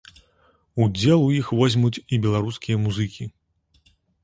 Удзел у іх возьмуць і беларускія музыкі.